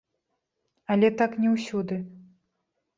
Але так не ўсюды.